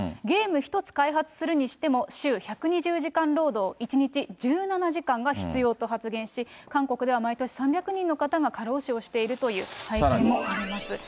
ゲーム１つ開発するにしても、週１２０時間労働１日１７時間が必要と発言し、韓国では毎年３００人の方が過労死をしているという背景もあります。